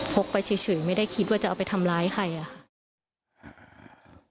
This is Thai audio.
กไปเฉยไม่ได้คิดว่าจะเอาไปทำร้ายใครอะค่ะ